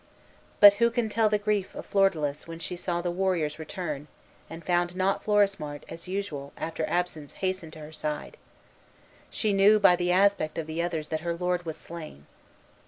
But who can tell the grief of Flordelis when she saw the warriors return, and found not Florismart as usual after absence hasten to her side. She knew by the aspect of the others that her lord was slain.